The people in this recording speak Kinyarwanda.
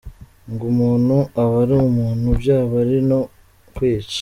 ngo umuntu aba ari umuntu byaba ari nko kwica;